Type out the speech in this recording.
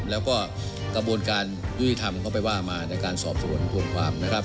แล้วก็กระบวนการยุติธรรมก็ไปว่ามาในการสอบสวนทวนความนะครับ